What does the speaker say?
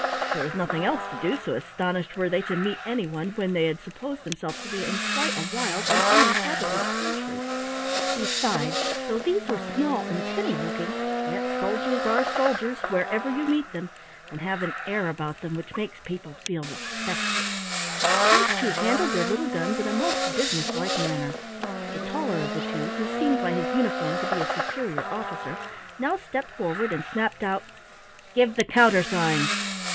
There was nothing else to do, so astonished were they to meet any one when they had supposed themselves to be in quite a wild and uninhabited country. Besides, though these were small and tinny looking, yet soldiers are soldiers wherever you meet them, and have an air about them which makes people feel respectful. These two handled their little guns in a most businesslike manner. The taller of the two, who seemed by his uniform to be a superior officer, now stepped forward and snapped out: "Give the countersign!"